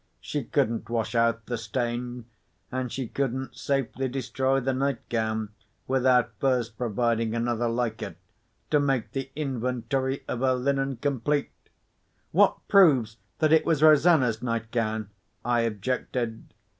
She couldn't wash out the stain; and she couldn't safely destroy the night gown without first providing another like it, to make the inventory of her linen complete." "What proves that it was Rosanna's nightgown?" I objected.